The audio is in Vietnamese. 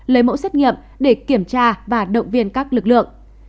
lấy mẫu xét nghiệm để kiểm tra và động viên các lực lượng